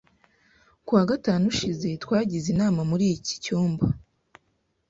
Ku wa gatanu ushize, twagize inama muri iki cyumba.